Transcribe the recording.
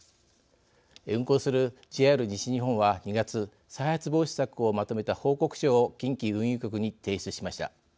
運行するＪＲ西日本は２月再発防止策をまとめた報告書を近畿運輸局に提出しました。